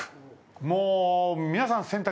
もう皆さん洗濯。